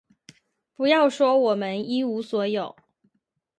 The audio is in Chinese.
不要说我们一无所有，